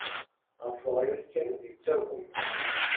Ɣef uɣyul kan i d-yettagem.